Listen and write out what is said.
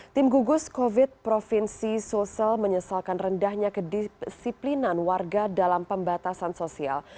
tim gugus covid provinsi sulsel menyesalkan rendahnya kedisiplinan warga dalam pembatasan sosial